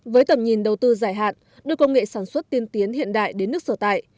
với tầm nhìn đầu tư dài hạn đưa công nghệ sản xuất tiên tiến hiện đại đến nước sở tại